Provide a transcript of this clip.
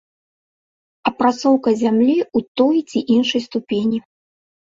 Апрацоўка зямлі ў той ці іншай ступені.